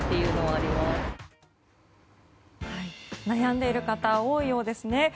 悩んでいる方が多いようですね。